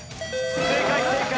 正解正解。